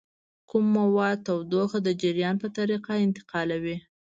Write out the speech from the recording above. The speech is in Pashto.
کوم مواد تودوخه د جریان په طریقه انتقالوي؟